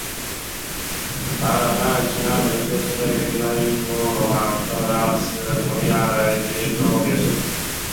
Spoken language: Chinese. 法尔内西纳别墅是位于意大利中部罗马特拉斯提弗列的一座修建于文艺复兴时期的别墅。